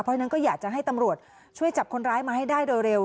เพราะฉะนั้นก็อยากจะให้ตำรวจช่วยจับคนร้ายมาให้ได้โดยเร็ว